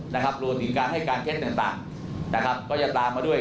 โดยถึงการให้การเคล็ดต่างก็จะตามมาด้วย